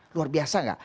luar biasa gak